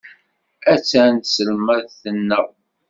Attan tselmadt-nneɣ.